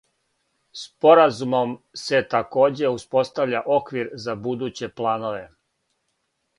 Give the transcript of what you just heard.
Споразумом се такође успоставља оквир за будуће планове.